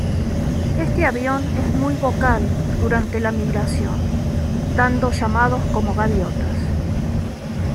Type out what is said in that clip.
Este avión es muy vocal durante la migración, dando llamados como gaviotas.